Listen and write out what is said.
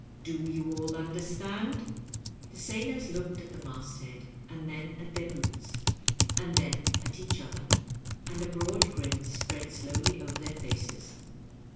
Do you all understand t " The sailors looked at the masthead, and then at their boots, and then at each other, and a broad grin spread slowly over their faces.